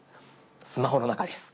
スマホの中です。